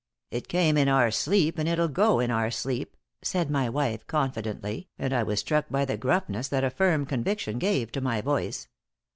"It came in our sleep, and it'll go in our sleep," said my wife, confidently, and I was struck by the gruffness that a firm conviction gave to my voice.